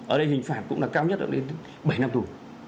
ở đây hình phạt cũng là cao nhất ở đây đến bảy năm tù